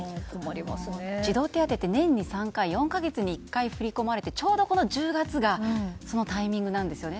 児童手当って年に３回４か月に１回振り込まれてちょうど１０月がそのタイミングなんですよね。